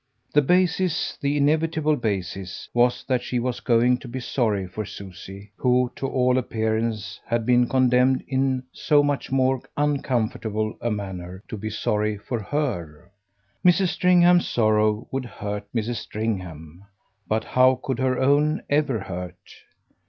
The basis, the inevitable basis, was that she was going to be sorry for Susie, who, to all appearance, had been condemned in so much more uncomfortable a manner to be sorry for HER. Mrs. Stringham's sorrow would hurt Mrs. Stringham, but how could her own ever hurt?